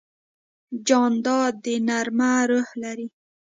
جانداد د نرمه روح لري.